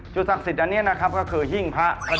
ศักดิ์สิทธิ์อันนี้นะครับก็คือหิ้งพระ